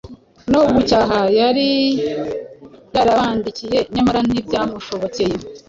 no gucyaha yari yarabandikiye nyamara ntibyamushobokeye.